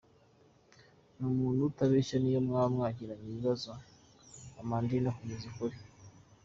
Ni umuntu utabeshya n’iyo mwaba mwagiranye ibibazo Amandine akubwiza ukuri.